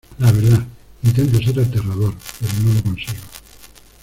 La verdad, intento ser aterrador , pero no lo consigo.